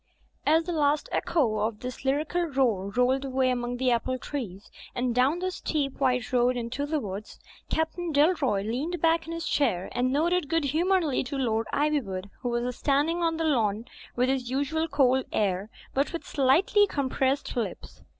'* As the last echo of this lyrical roar rolled away among the apple trees, and down the steep, white road into the woods. Captain Dalroy leaned back in his chair and nodded good humouredly to Lord Ivywood, who was standing on the lawn with his usual cold air, but with slightly compressed lips.